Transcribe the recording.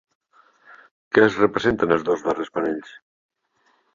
Què es representa en els dos darrers panells?